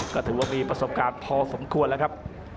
ก็ถือว่ามีประสบการณ์พอสมควรแล้วครับ